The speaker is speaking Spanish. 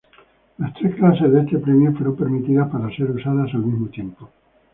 Las tres clases de este premio fueron permitidas para ser usadas al mismo tiempo.